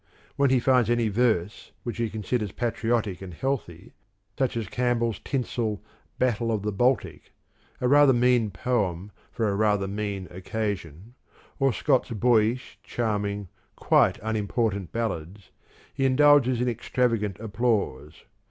When he finds any verse which he considers patriotic and healthy, such as Campbell's tinsel " Battle of the Baltic" a rather mean poem for a rather mean occasion or Scott's boyish, charming, quite unimportant Ballads, he indulges in extravagant applause.